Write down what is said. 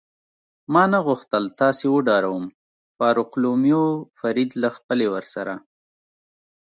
ما نه غوښتل تاسې وډاروم، فاروقلومیو فرید له خپلې ورسره.